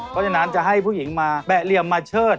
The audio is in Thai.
เพราะฉะนั้นจะให้ผู้หญิงมาแปะเหลี่ยมมาเชิด